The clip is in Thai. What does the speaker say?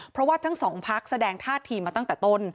เพราะว่าทั้งสองพักแสดงท่าทีมาตั้งแต่ต้น